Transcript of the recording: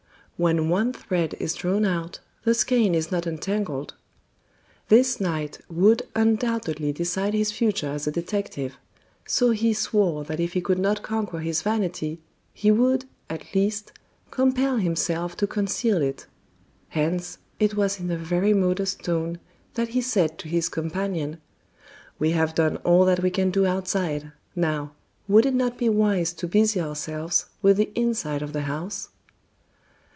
When one thread is drawn out, the skein is not untangled. This night would undoubtedly decide his future as a detective, so he swore that if he could not conquer his vanity, he would, at least, compel himself to conceal it. Hence, it was in a very modest tone that he said to his companion: "We have done all that we can do outside, now, would it not be wise to busy ourselves with the inside of the house?"